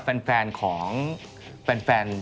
พี่แดงก็พอสัมพันธ์พูดเลยนะครับ